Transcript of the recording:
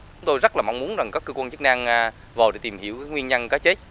chúng tôi rất là mong muốn các cơ quan chức năng vào để tìm hiểu nguyên nhân cá chết